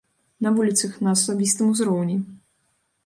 На вуліцах, на асабістым узроўні.